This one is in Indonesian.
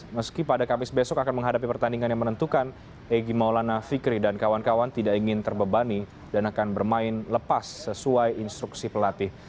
meski pada kamis besok akan menghadapi pertandingan yang menentukan egy maulana fikri dan kawan kawan tidak ingin terbebani dan akan bermain lepas sesuai instruksi pelatih